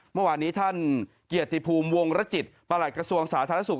เมื่อวานนี้ท่านเกียรติภูมิวงรจิตประหลัดกระทรวงสาธารณสุข